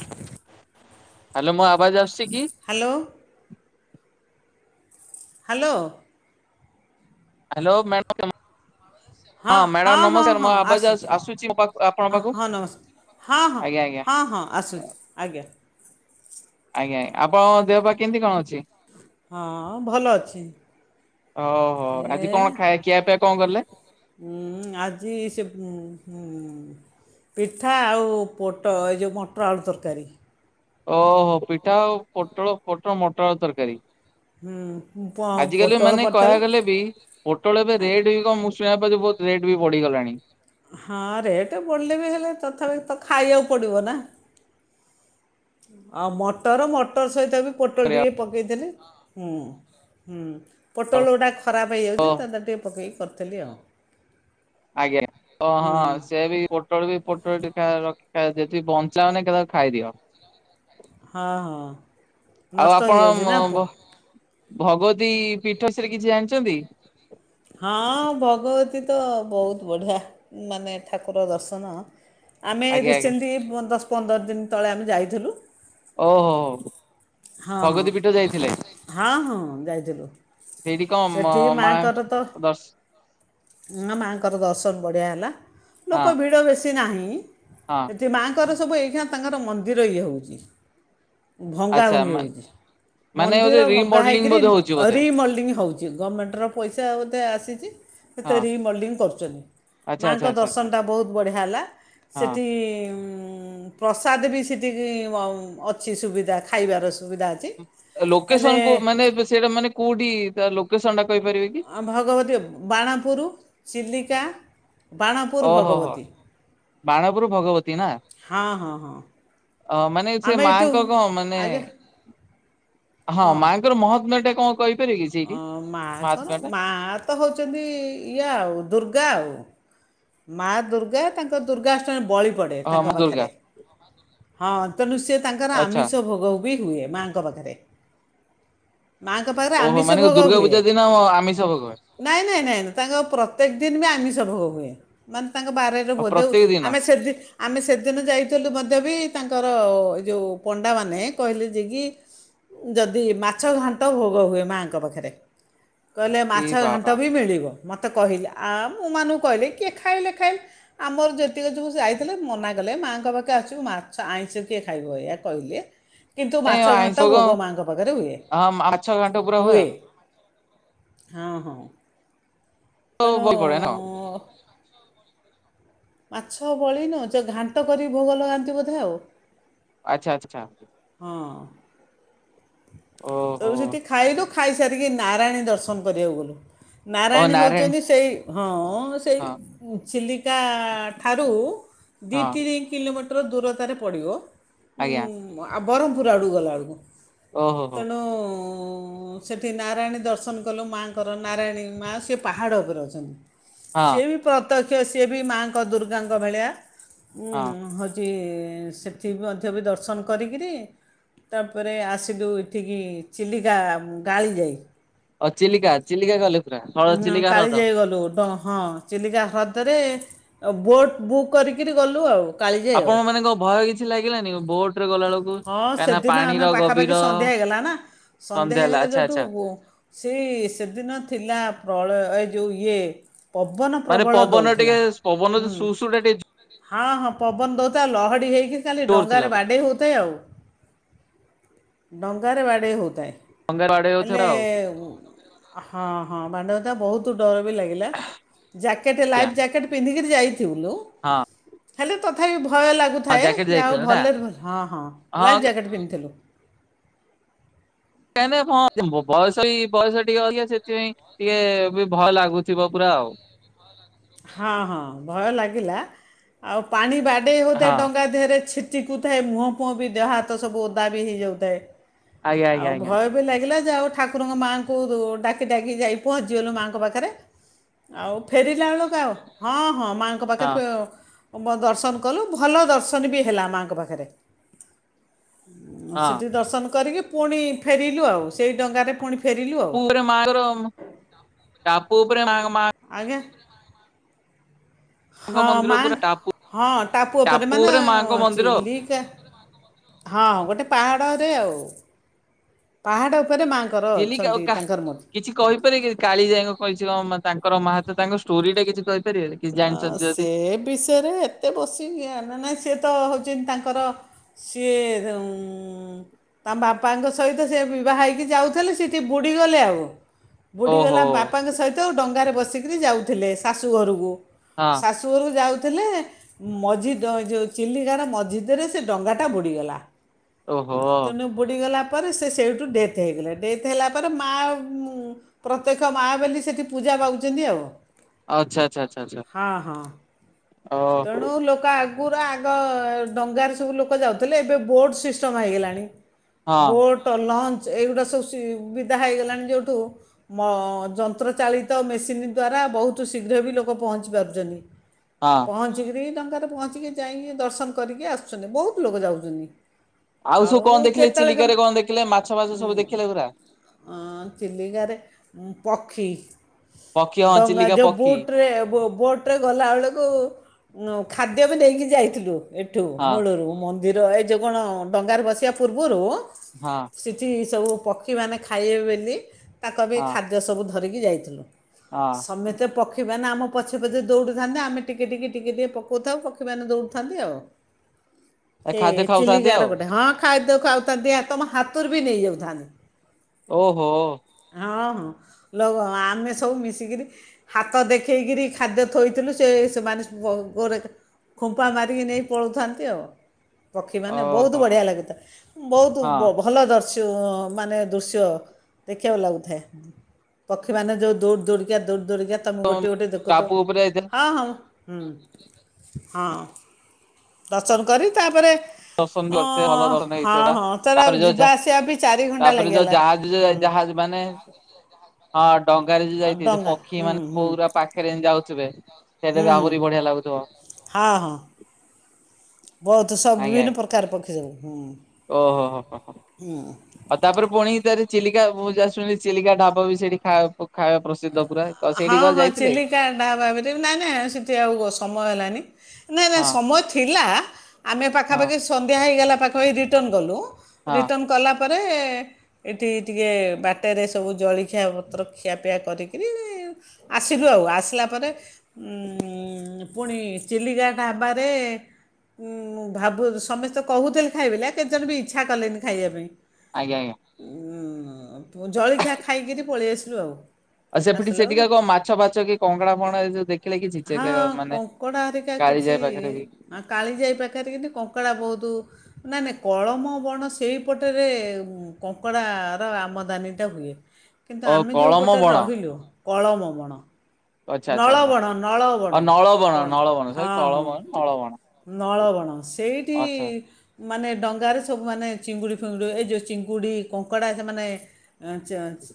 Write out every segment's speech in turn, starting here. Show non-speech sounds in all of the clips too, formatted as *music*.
Hello ମୁଁ ଆବାଜ ଆସୁଛି କି? Hello hello. Hello madam. ହଁ ହଁ ହଁ ହଁ ଆସୁଛି ମୋ ପାଖ ଆପଣଙ୍କ ପାଖକୁ? ହଁ ନମସ୍କାର ହଁ ହଁ ଆଜ୍ଞା ଆଜ୍ଞା ହଁ ହଁ ଆସୁଛି ଆଜ୍ଞା। ଆଜ୍ଞା ଆପଣଙ୍କ ଦେହ ପା କେମିତି କଣ ଅଛି? ହଁ ଭଲ ଅଛି ଓହୋ ଏ ଆଜି କଣ ଖାଇ ଖିଆ ପିଆ କଣ କଲେ? ଉ ଆଜି ସେ ହୁ ପିଠା ଆଉ ପୋଟ ଏ ଯୋଉଉ ମଟର ଆଳୁ ତରକାରୀ। ଓହୋ ପିଠା ଆଉ ପୋଟଳ ପୋଟଳ ମଟର ଆଳୁ ତରକାରୀ। ହୁଁ, ପ- ଆଜିକାଲି ପୋଟଳ ମାନେ ପଡ଼ିଥିଲା କହିବାକୁ ଗଲେ ବି ପୋଟଳ ଏବେ ଆ- ରେଟ କଣ ମୁଁ ଶୁଣିବା ବହୁତ ରେଟ୍ ବି ବଢିଗଲାଣି। ହଁ ରେଟ୍ ବଢ଼ିଲେ ବି ହେଲେ ତଥାପି ତ ଖାଇବାକୁ ପଡ଼ିବ ନା। ଆଉ ମଟର ମଟର ସହିତ ବି ପୋଟଲ ଟିକେ ପକେଇଥିଲି ହୁଁ ହୁଁ। ପୋଟଳ ଗୁଡ଼ା ଖରାପ ଓ ହେଇଯାଉଛି ତା ଟିକେ ପକେଇ ଦେଇ କରି କରିଦେଲି ଆଉ ଆଜ୍ଞା ଓ ହୁଁ ହଁ ସେ ବି ପୋଟଳ ବି ପୋଟଳ *unintelligible* ରଖି ଯଦି ବଞ୍ଚାୟ ଏକା ଥରକେ ଖାଇଦିଅ। ହଁ ହଁ ଆଉ ନଷ୍ଟ ଆପଣ ହେଇଯାଉଛି ନା। ଭଗବତୀ ପୀଠ ବିଷୟରେ କିଛି ଜାଣିଛନ୍ତି? ହଁ ଭଗବତୀ ତ ବହୁତ ବଢ଼ିଆ ମାନେ ଠାକୁର ଦର୍ଶନ। ଆମେ ଆଜ୍ଞା ଆଜ୍ଞା। ରିସେଣ୍ଟଲି ଉ ଦଶ ପନ୍ଦର ପନ୍ଦର ଦିନ ତଳେ ଆମେ ଯାଇଥିଲୁ। ଓ ହୋ। ହଁ ହଁ ହଁ ହଁ ଯାଇଥିଲୁ ସେଇଠି କଣ ମ ସେଠି ମା ମାଙ୍କର ତ ଦର୍ଶ ମା ମାଆଙ୍କର ଦର୍ଶନ ବଢ଼ିଆ ହେଲା। ଲୋକ ହଁ ଭିଡ଼ ବେଶି ସେମିତି ନାହିଁ। ହଁ ଏ ମାଆଙ୍କର ସବୁ ଏଇଠା ତାଙ୍କର ମନ୍ଦିର ଇଏ ହେଉଛି। ଭଙ୍ଗା ଆଚ୍ଛା ହୋଉଛି ମା ଉ ମାନେ ବୋଧେ ମନ୍ଦିର ଭଙ୍ଗା ରିମଡେଲିଂ ହୋଇକରି ବୋଧେ ହଉଛି ବୋଧେ ରିମଲ୍ଡିଙ୍ଗ ହେଉଛି ଗଭର୍ଣ୍ଣମେଣ୍ଟର ପଇସା ବୋଧେ ଆସିଛି ସେତେ ହଁ ରିମଲ୍ଡିଙ୍ଗ କରୁଛନ୍ତି ଆଚ୍ଛା ମାଙ୍କ ଆଚ୍ଛା ଆଚ୍ଛା ଆଚ୍ଛା ଦର୍ଶନଟା ବହୁତ ବଢ଼ିଆ ହେଲା ହଁ ସେଠି ଉଁ ପ୍ରସାଦ ବି ସେଠି ଅଛି ସୁବିଧା ଖାଇବାର ସୁବିଧା ଅଛି ହେଲେ ଲୋକେସନ କ ମାନେ ସେଇଟା ମାନେ କୋଉଠି ଲୋକେଶନ ଟା କହିପାରିବେ କି? ଭଗବତୀ ବାଣପୁର ଚିଲି ଶିକା ବାଣପୁର ଓହୋ ହୋ ଭଗବତୀ ବାଣପୁର ଭଗବତୀ ନା ହଁ ହଁ ହଁ। ଅ ମାନେ ସେ ଆମେ ଏଇଠୁ ମାଙ୍କ କଣ ମାନେ ଆଗେ ହଁ ମାଙ୍କର ମହାତ୍ମ୍ୟ ଟା କଣ କହିପାରିବେ କି ସେଇଠି ଅ ମା କଣ ମହାତ୍ମ୍ୟ ଟା ମା ତ ହଉଛନ୍ତି ଇଏା ଆଉ ଦୁର୍ଗା ଆଉ ମା ଦୁର୍ଗା ତାଙ୍କ ଦୁର୍ଗାଷ୍ଟାନ ବଳି ପଡ଼େ ହଁ ତାଙ୍କ ମା ଦୁର୍ଗା ପାଖରେ ହଁ ତ ନୁଶିତ ତାଙ୍କର ଆଚ୍ଛା ଆମିଷ ଭୋଗ ବି ହୁଏ ମା ଙ୍କ ପାଖରେ ମାଆଙ୍କ ପାଖରେ ଓହୋ ଆମିଷ ମାନେ ଭୋଗ ଦୁର୍ଗା ହୁଏ ପୂଜା ଦିନ ଆମିଷ ଭୋଗ ହୁଏ ନାଇଁ ନାଇଁ ନାଇଁ ନାଇ ତାଙ୍କ ପ୍ରତ୍ୟେକ ଦିନ ବି ଆମିଷ ଭୋଗ ହୁଏ। ହୁଏ। ମନ୍ତ ତାଙ୍କ ବାରରେ ଆଉ ବୋ ଦେଉ ପ୍ରତ୍ୟେକ ଦିନ ଆମେ ସେଦ ଆମେ ସେଦିନ ଯାଇଥିଲୁ ମଧ୍ୟ ବି ତାଙ୍କ ଏ ଯଉ ପଣ୍ଡା ମ କହିଲେ ଯେ କି ଯଦି ମାଛ ଘାଣ୍ଟ ଭୋଗ ହୁଏ ମାଆଙ୍କ ପାଖରେ କହିଲେ ମାଛ ଏଇ ଘାଣ୍ଟ ବାବା ବି ମିଳିବ ମତେ କହିଲେ ଆମ୍ ମୁଁ ଏମାନଙ୍କୁ କହିଲି କିଏ ଖାଇଲେ ଖାଇଲେ ଆମର ଯେତିକି ଯବୁ ଯାଇଥିଲେ ମନା କଲେ ମାଆଙ୍କ ପାଖରେ ଆସିବ ମାଛ ଆଇଁଷିରେ କିଏ ଖାଇବ ଏଇ କହିଲେ। କିନ୍ତୁ ନାଇଁ ମାଛ ଆଇଁଷ ଘାଣ୍ଟ ଭୋଗ ମାଙ୍କ ପାଖରେ ହୁଏ ହୁଏ। ହଁ ହଁ। ତେଣୁ ମାଛ ବଳି ନ ଯ ଘାଣ୍ଟ କରି ଭୋଗ ଲଗାନ୍ତି ବୋଧେ ଆଉ। ଆଛା ଆଛା। ହଁ। ଓହୋ ତାପରେ ସେଠି ଖାଇଲୁ ଖାଇସାରିକି ନାରାୟଣୀ ଦର୍ଶନ କରିବାକୁ ଗଲୁ। ନାରାୟଣୀ ହେଉଛନ୍ତି ସେଇ ହଁ-ଅ-ଅ ହ ସେଇ ହଁ ଚିଲିକା-ଆ-ଆ-ଆ ଠାରୁ ଦି ହଁ ତିନି କିଲୋମିଟର ର ଦୂରତାରେ ପଡିବ। ଆଜ୍ଞା ହୁଁ ଆ ବରହପୁର ଆଡ଼ୁ ଗଲା ଆଳକୁ। ଓହୋ ହୋ ତେଣୁ-ଉ-ଉ-ଉ ଉ ସେଠି ନାରାୟଣୀ ଦର୍ଶନ କଲୁ ମା ଙ୍କର ନାରାୟଣୀ ମା ସେ ପାହାଡ଼ ଉପରେ ଅଛନ୍ତି। ହଁ ସେ ବି ପ୍ର ପ୍ରତ୍ୟକ୍ଷ ସିଏ ବି ମାଙ୍କ ଦୁର୍ଗାଙ୍କ ଭଳିଆ। ହୁଁ ହଁ ଆଉ ହଜି ଇ-ଇ-ଇ ସେଠି ମଧ୍ୟ ବି ଦର୍ଶନ କରିକିରି ତାପରେ ଆସିଲୁ ଏଠିକି ଚିଲିକା ଗାଳି ଯାଇ। ଚିଲିକା ଚିଲିକା ଗଲେ ପୁରା ହଳ ଉ ହଁ ଚିଲିକା ହ୍ରଦ କାଳିଜାଇ ଗଲୁ। ଦ ହଁ ଚିଲିକା ହ୍ରଦରେ ବୋଟ୍ ବୁକ୍ କରିକିରି ଗଲୁ ଆଉ। କାଳିଜାଇ ଆଉ ଆପଣ ମାନେଙ୍କ ଭୟ କିଛି ଲାଗିଲାନି ବୋଟରେ ଗଲାବେେଳକୁ ହଁ ସେଦିନ ଆମେ ପାଖାପାଖି ସନ୍ଧ୍ୟା ହେଇଗଲା ନା ସନ୍ଧ୍ୟା ହେଲା ହେଇଗଲା ଆଚ୍ଛା ଆଚ୍ଛା ଯେଉଠୁ-ଉ ସେଇ-ଇ-ଇ ସେଦିନ ଥିଲା ପ୍ରଳୟ ଏ ଯେଉଁ ଇଏ-ଏ ପବନ ମାନେ ପ୍ରବଳ ପବନ ଦଉଥିଲା। ଟିକେ ପବନ ଯୋଉ ସୁ ସୁ ଟା ଟିକେ ହଁ ହଁ ପବନ ଦେଉଥିଲା ଲହ- ହେଇ ହେଇ ଖାଲି ଜୋର ଥିଲା ଡଙ୍ଗାରେ ବାଡେଇ ହଉ ଏ ଆଉ, ଡଙ୍ଗାରେ ବାଡ଼େଇ ହଉ ଉ ଥାଏ ଡଙ୍ଗାରେ ବାଡେଇ ହଉଥିଲା ଆଉ ହେଲେ-ଏ-ଏ ହଁ। ହଁ ବାଣ୍ଡତା ବହୁତ ଡର ବି ଲାଗିଲା। ଜ୍ୟାକେଟ ଆଜ୍ଞା ଲାଇଫ୍ ଜ୍ୟାକେଟ ପିନ୍ଧିକରି ଯାଇଥିଲୁ। ହଁ ଖାଲି ତଥାପ ଭ ଭୟ ହଁ ଲାଗୁଥାଏ ଜ୍ୟାକେଟ ଯାହା ହେଉ ଯାଇଥିଲା ନା ଭଲରେ ଭଲ ହଁ ହଁ ଲାଇଫ୍ ଜ୍ୟାକେଟ ପିନ୍ଧ ଥିଲା ବ ବୟସ ବି ବୟସ ଟିକେ ଅ ଇଏ ସେଥିପାଇଁ ଟିକେ-ଏ-ଏ ବି ଭୟ ଲାଗୁଥିବ ପୁରା ଆଉ। ହଁ ହଁ ଭୟ ଲାଗିଲା ଆଉ ପାଣି ବା। ହଉ ହଁ ଡାହରେ ଚକୁଥାଏ ମୁହଁ ଫୁହଁ ବି ଦେହ ହାତ ସବୁ ଓଦା ବି ହେଇଯାଉଥାଏ। ଆଜ୍ଞା ଆଉ ଆଜ୍ଞା ଆଜ୍ଞା ଭୟ ବି ଲାଗିଲା ଯେ ଆଉ। ଠାକୁରଙ୍କ ମାଆଙ୍କୁ ଡାକି ଡାକି ଯାଇ ପହଞ୍ଚିଗଲୁ ମାଆଙ୍କ ପାଖରେ ଆଉ ଫେରିଲା ବେଳକୁ ହଁ। ହଁ ମାଙ୍କ ହଁ ପାଖରେ ଦର୍ଶନ କଲୁ ଭଲ ଦର୍ଶନ ବି ହେଲା ମାଆଙ୍କ ପାଖରେ। ହଁ ସେଠି ଦର୍ଶନ କରିକି? ପୁଣି ଫେରିଲୁ ଆଉ ସେଇ ଡଙ୍ଗାରେ ପୁଣି ଫେରିଲୁ ଆଉ ପୁରେ ମପୁ *inaudible* ଆଜ୍ଞା। ହଁ ମନ୍ଦିର ମା ପୁରା ଟାପୁ ହଁ ଟାପୁଅ ଉପରେ ଟାପୁ ମାନେ ମାଙ୍କ ଅଛି ମନ୍ଦିର ଲିକ୍ ହଁ ଗୋଟେ ପାହାଡ଼ରେ ଆଉ ପାହାଡ଼ ଉପରେ ମାଆଙ୍କର ିଲ ଆଉ ଅଛନ୍ତି ତାଙ୍କର ମୂର୍ତ୍ତି କିଛି କହିପାରେ କି କାଳି ଯାକ କଛି କ ତାଙ୍କର ମାହା ତାଙ୍କ ଷ୍ଟୋରି ଟା କିଛି ତ ଆ ସେ ବିଷୟରେ ଏତେ ବସିକି ନା ନାଇଁ ସିଏ ତ ହଉ ତାଙ୍କର ସିଏ ତାଙ୍କ ବାପାଙ୍କ ସହିତ ସେ ବିବାହ ହେଇକି ଯାଉଥିଲେ ସେଠି ବୁଡ଼ିଗଲେ ଆଉ। ବୁଡ଼ି ଗଲା ଓହୋ ବାପାଙ୍କ ସହିତ ଡଙ୍ଗାରେ ବସ ବସିକରି ଯାଉଥିଲେ ଶାଶୁ ଘରକୁ ହଁ ଶାଶୁରୁ ଯାଉଛି। ଥିଲେ ମଝିଉ ଚିଲିକାର ମଝିଦରେ ସେ ଡଙ୍ଗାଟା ବୁଡ଼ିଗଲା। ଓହୋ ତେଣୁ ବୁଡ଼ିଗଲା ତାପରେ ସେ ସେଇଠୁ ଡେଥ୍ ହେଇଗଲା ଡେଥ ହେଲା ପରେ ମା ପ୍ରତ୍ୟକ୍ଷ ମା ବୋଲି ସେଠି ପୂଜା ପାଉଛନ୍ତି ଆଉ ଆଚ୍ଛା ଆଚ୍ଛ। ହଁ ହଁ। ଓହୋ ତଣୁ ଲୋକ ଆ ଆଗରୁ ଆଗ ଡଙ୍ଗାରେ ସବୁ ଲୋକ ଯାଉଥିଲେ ଏବେ ବୋର୍ଡ ସିଷ୍ଟମ ହେଇଗଲାଣି। ହଁ ବୋଟ ଲଞ୍ଚ ଏଇଗୁଡ଼ା ସବୁ ସୁବିଧା ହେଇଗଲାଣି ଯେଉଁଠୁ ଯନ୍ତ୍ର ଚାାଳିତ ମେସିନ୍ ଦ୍ଵାରା ବହୁତ ଶୀଘ୍ର ବି ଲୋକ ପହଞ୍ଚି ପାରୁଛନ୍ତି। ହଁ ପଞ୍ଚଗ୍ର୍ରୀ ଦ ରେ ପହଞ୍ଚିକି ଯାଇକି ଦର୍ଶନ କରିକି ଆସୁଛନ୍ତି ବହୁତ ଲୋକ ଯାଉଛନ୍ତି। ସବୁ ଆଉ କଣ ଦେଖିଲେ କେତେବେଳେ କେ ଚିଲିକାରେ କଣ ଦେଖିଲେ ମାଛ ଫାଛ ସବୁ ଦେଖିଲେ ପୁରା? ଚିଲିକାରେ ପକ୍ଷୀ ପକ୍ଷୀ ହଁ ଡଙ୍ଗା ଚିଲିକା ଯେଉ ପକ୍ଷୀ ବୋଟରେ ବୋଟରେ ଗଲାବେେଳକୁ ହ ଖାଦ୍ୟ ବି ନେଇକି ଯାଇଥିଲୁ। ଏଠୁ ହଁ ମୁଳରୁ ମୁ ଧିର ଏ ଯେଉ କଣ ଡଙ୍ଗାରେ ବସିବା ପୂର୍ବରୁ ହଁ। ସେଠି ସବୁ ପକ୍ଷୀମାନେ ଖାଇବେ ବୋଲି ତାଙ୍କ ବି ହଁ ଖାଦ୍ୟ ସବୁ ଧରିକି ଯାଇଥିଲୁ। ହଁ ସମେତ ପକ୍ଷୀ ଆମ ପଛେ ପଛେ ଦୌଡୁଥାନ୍ତେ ଆମେ ଟିକେ ଟିକେ ଟିକେ ଟିକିେ ପକଉଥାଉ ପକ୍ଷୀମାନେ ଦୌଡ଼ଥାନ୍ତି ଆଉ ଏ ସେ ଖାଦ୍ୟ ଖାଉଥାନ୍ତି ଚିଲିକା ର ଆଉ ଗୋଟେ ହଁ ଖାଦ୍ୟ ଖାଉଥାନ୍ତି ତମ ହାତରୁ ବି ନେଇଯାଉଥାନ୍ତି। ଓ ହୋ ହଁ ହଁ ଆମେ ସବୁ ମିଶିକରି ହାତ ଦେଖେଇକରି ଖାଦ୍ୟ ଥୋଇଥିଲୁ ସେମାନେ ଗୋରେ ଖୁମ୍ପା ମାରିକି ନେଇ ପଳଉଥାନ୍ତି ଆଉ। ପକ୍ଷୀମାନୋନ ବହୁତ ଓହୋ ବଢ଼ିଆ ଲାଗେ ତ ବହୁତ ହଁ ଭଲ ଦର୍ଶ ମାନେ ଦୃଶ୍ୟ ଦେଖିବାକୁ ଲାଗୁଥାଏ ପକ୍ଷୀ ମାନେ ଯୋଉ ଦୂର ଦରିକ ଦୁରିକା ତୁମେ ଗୋଟିଏ ଗୋଟେ ଦେଖଥ ଟାପୁ ଉପରେ ଯାଇଥିଲେ ହଁ ହଁ ହଁ। ରଚନ କରି ତାପରେ ଦର୍ଶନ ବି ହଁ ଅଛ ଭଲ ଦର୍ଶନ ହେଇଥିବ ହଁ ତାର ତାପରେ ଯିବା ଯୋଉ ଆସିବା ବି ଚାରି ଘଣ୍ଟା ତାପରେ ଯୋଉ ଲାଗିଗଲା। ଜାହାଜ ଯୋଉ ହୁଁ ଜାହାଜ ମାନେ ହଁ। ଡଙ୍ଗାରେ ଜଉ ଯାଇଛି ଡଙ୍ଗା ପକ୍ଷୀ ହୁଁ ମାନେ ହୁଁ। ପଉା ପାଖରେ ଯାଉ ଥିବେ। ସେଟ ହୁଁ ବି ହୁଁ ଆହୁରି ବଢିଆ ଲାଗୁଥିବ। ହଁ ହଁ ବହୁତ ତ ସବୁ ବିଭିନ୍ନ ପ୍ରକାର ପକ୍ଷୀ ଯାଉ। ହଁ। ଓ ହୋ ହୋ। ଆଉ ତାପରେ ପୁଣି ତାରି ଚିଲିକା ମୁଁ ଯାହା ଶୁନିଛି ଚିଲିକା ଢାବ ବି ସେଠି ଖ ଖାଇବା ପ୍ରସିଦ୍ଧ। ପୁରା। ତ ସେଇଠି ହଁ କଣ ହଁ ଯାଇଥିଲେ ଚିଲିକାଟା ଭପ ନାଇଁ ନାଇଁ ସେଠି ଆଉ ସମୟ ହେଲାନି ନାଇଁ ନାଇଁ ହଁ ସମୟ ଥିଲା। ଆମେ ହଁ ପାଖାପାଖି ସନ୍ଧ୍ୟା ହେଇଗଲା। ପାଖା ପାଖି ରିଟର୍ନ ଗଲୁ। ହଁ ରିଟର୍ଣ କଲା ପରେ ଏଠି ଟିକେ ବାଟରେ ସବୁ ଜଳଖିଆ ପତ୍ର ଖିଆପିଆ କରିକିରି। ଆସିଲୁ ଆଉ ଆସିଲା ପରେ ପୁଣି ଚିଲିକାଟ ହେବାରେ ଭାବୁ ସମସ୍ତେ କହୁଥିଲେ ଖାଇବେ କେତେଜଣେ ବି ଇଚ୍ଛା କଲେନି ଖାଇବା ପାଇଁ। ଆଜ୍ଞା ଆଜ୍ଞା। ଉୁଁ ଜଳଖିଆ ଖାଇକିରି ପଳେଇ ଆସିଲୁ ଆଉ। ଆଉ ସେପଟେ ଆସିଲା ବେଳକୁ ସେଠିକା କଣ ମାଛ ଫାଛ କି କଙ୍ଗଡା ଏ ଜଉ ହଁ କଙ୍କଡ଼ା ହେରିକା କିଛି କାଳିଜାଇ ପାଖରେ ବି କାଳିଜାଇ ପାଖରେ କିି କଙ୍କଡ଼ା ବହୁତ। ନ ନାଇଁ କଳମ ବଣ ସେଇପଟରେ କଙ୍କଡ଼ାର ଆମଦାନୀଟା ହୁଏ। କିନ୍ତୁ ଓ ଆମେ ଯୋଉ କଳମ ପଟରେ ରହିଲୁ। ଅଳମମଣ। ଆଚଛା ଆଚ୍ଛା ଆଛା ଆଉ ନଳବଣ କଣ ହଁ ହଁ ନଳବଣଳ ନଳବଣ। ନଳବଣ। ସେଇଠି ଆଚ୍ଛା। ମାନେ ଡଙ୍ଗାରେ ସବୁ ମାନେ ଚିଙ୍ଗୁଡ଼ି ଫିଙ୍ଗୁଡ଼ି ଏ ଯେଉଁ ଚିଙ୍ଗୁଡ଼ି କଙ୍କଡ଼ା ସେମାନେ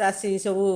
ଚାଷୀ ସବୁ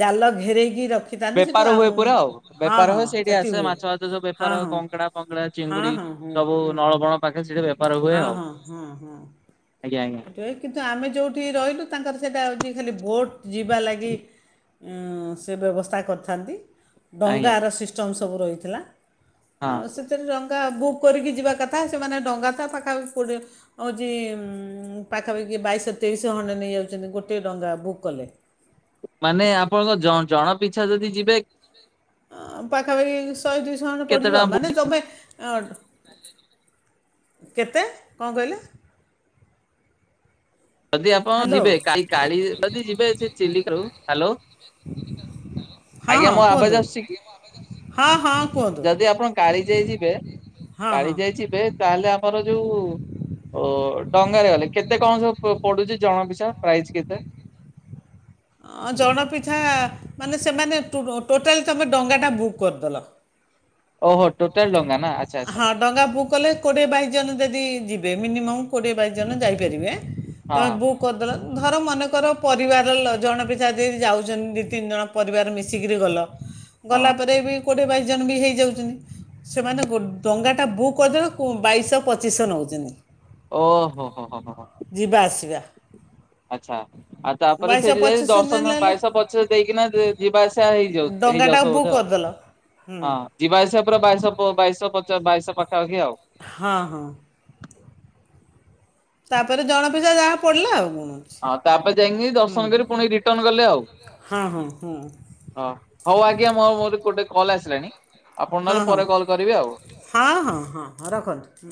ଜାଲ ଘେରେଇକି ରଖ ବେପାର ହୁଏ ପୁରା ଆଉ ବେପାର ହୁଏ ସେଇଠି ସେଠି ଆସେ ହୁଏ ମାଛ ବାଛ ସବ ହଁ ବେପାର ହ ହଁ କଙ୍କଡା ଫଙ୍କଡା ହଁ ଚିଙ୍ଗୁଡି ହଁ ହଁ ହୁଁ ସବୁ ହୁଁ ନଳବଣ ପାଖରେ ସେଠି ବେପାର ହୁଏ ହଁ ଆଉ ହଁ ହଁ ହଁ। ଆଜ୍ଞା ଆଜ୍ଞା କିନ୍ତୁ ଆମେ ଯେଉଁଠି ରହିଲୁ ତାଙ୍କର ସେଇଟା ହେଉଛି ଖାଲି ଭୋଟ ଯିବା ଲାଗି। ସେ ବ୍ୟବସ୍ଥା କରିଥାନ୍ତି। ଡଙ୍ଗା ଆଜ୍ଞା ର ସିଷ୍ଟମ ସବୁ ରହିଥିଲା। ହଁ ଆଉ ସେଥିରେ ରଙ୍ଗା ବହୁ କରିକି ଯିବା କଥା ସେମାନେ ଡଙ୍ଗା ଥା ପାଖାପାଖି ହଉଛି। ପାଖାପାଖି ବାଇଶ ତେଇଶି ଶହ ଖଣ୍ଡେ ନେଇଯାଉଛନ୍ତି ଗୋଟିଏ ଡଙ୍ଗା ବୁକ୍ କଲେ। ମାନେ ଆପଣଙ୍କ ଜଣ ପିଛା ଯଦି ଯିବେ। ପାଖା ପାଖି ଶହେ ଦୁଇଶହ ଜଣ କେତେ ପଡିଯିବ ଟଙ୍କା ମାନେ ପଡୁଛି ତମେ ଅଂ କେତେ କଣ କହିଲେ? ଯଦି ଆପଣ ହ୍ୟାଲୋ ଯିବେ ଯଦି ଯିବେ ଚିଲିକା ରୁ ହ୍ୟାଲୋ ହଁ ଆଜ୍ଞା ହଁ ମୋ ଆବାଜ କୁହନ୍ତୁ ଆସୁଛି କି ହଁ ହଁ କୁହନ୍ତୁ ଯଦି ଆପଣ କାଳି ଯାଇ ଯିବେ ହଁ କାଳି ହଁ ଯାଇ ଯିବେ ତାହେଲେ ତମର ଯୋଉ ଅ ଡଙ୍ଗାରେ ଗଲେ କେତେ କଣ ସବୁ? ପଡୁଛି ଜଣା ପିଛା ପ୍ରାଇଜ କେତେ? ଜଣ ପିଛା ମାନେ ସେମାନେ ଟୋଟାଲି ତମେ ଡଙ୍ଗାଟା ବୁକ୍ କରିଦେଲ। ଓହୋ ଟୋଟାଲଟା ହଁ ଡଙ୍ଗା ବୁକ୍ କଲେ କୋଡିଏ ଟା ଜଣ ଯଦି ଯିବେ। ଏ ମିନିମମ୍ କୋଡିଏ ବାଇଶ ଜଣ ଯାଇପାରିବେ। ତ ହଁ ବୁକ୍ କରି ଦିଅ। ଧର ମନେକର ପରିବାର ଲ ଜଣେ ପିଛା ଯଦି ଯାଉଛନ୍ତି ଦୁଇ ତିନି ଜଣ ପରିବାର ମିଶିକରି ଗଲ। ହଁ ଗଲା ପରେ ବି କୋଉଠେ ବାଇ ଜଣ ବି ହେଇଯାଉଛନ୍ତି। ସେମାନେ ଗଲୁ ଡଙ୍ଗାଟା ବୁକ୍ କରିଦେବେ ବାଇଶହ ପଚିଶହ ନଉଛନ୍ତି। ଓ ହୋ ହୋ ହଁ ହଁ। ଆସିବା ଆଛା ଆଉ ତାପରେ ବାଇଶହ ସେଇଠି ଯାଇ ପଚିଶହ ଦଶ ନେଲେ ବାଇଶହ ପଚିଶ ଦେଇକିନା ଯିବା ଆସିବା ହେଇ ଡଙ୍ଗାଟା ହେଇଯାଉଥିବ ବୁକ୍ ବୋଧେ ଆଉ କରିଦେଲ ହୁଁ ହଁ ଯିବାଆସିବା ପ ବାଇଶ ବାଇଶ ପଚ ବାଇଶ ପାଖାପଖି ଆଉ। ହଁ ହଁ। ତାପରେ ଜଣ ପିସା ଯାହା ପଡିଲା ଆଉ କଣ। ଅଛି। ହଁ ତାପରେ ଯାଇକି ହୁଁ ଦର୍ଶନ କରି ପୁଣି ରିଟର୍ଣ କଲେ ଆଉ ହଁ ହଁ ହଁ ହଁ ହଉ ଆଜ୍ଞା ମୋ ମୋର ଗୋଟେ କଲ ଆସିଲାଣି ଆପଣ ହଁ ନହେଲେ ହଁ ପରେ କଲ୍ ହଁ କରିବେ ଆଉ। ହଁ ହଁ ହଁ ରଖନ୍ତୁ।